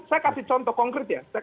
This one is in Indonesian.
saya kasih contoh konkret ya